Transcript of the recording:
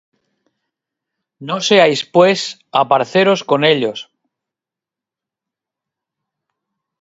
No seáis pues aparceros con ellos;